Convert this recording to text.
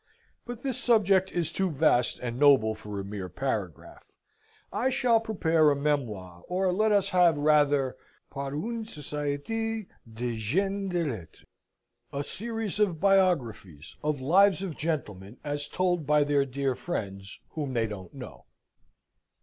But this subject is too vast and noble for a mere paragraph. I shall prepare a memoir, or let us have rather, par une societe de gens de lettres, a series of biographies, of lives of gentlemen, as told by their dear friends whom they don't know.